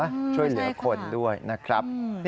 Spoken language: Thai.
ช่วยเหลือคนด้วยนะครับ